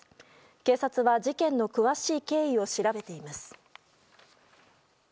警察は事件の詳しい経緯を調べています。